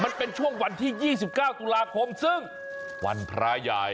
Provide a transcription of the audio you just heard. มันเป็นช่วงวันที่๒๙ตุลาคมซึ่งวันพระใหญ่